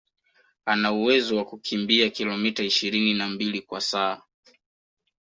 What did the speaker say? Ana uwezo wa kukimbia kilometa ishirini na mbili kwa saa